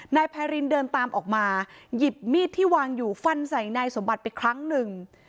นายพายรินเดินตามออกมาหยิบมีดที่วางอยู่ฟันใส่นายสมบัติไปครั้งหนึ่ง